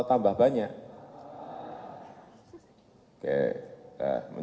sampai ke medan